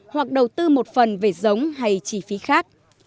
hoặc đầu tư một phần về giống hay chi phí khác